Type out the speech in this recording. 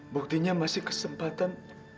buktinya masih kesempatan